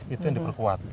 itu yang diperkuat